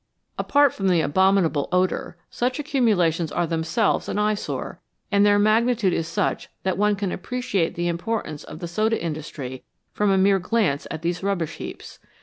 Apart from the abominable odour, such accumulations are themselves an eyesore, and their magnitude is such that one can appre ciate the importance of the soda industry from a mere glance at these rubbish heaps.